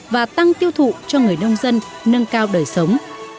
và tăng tiêu thụ cho người nông dân nâng cao đời sống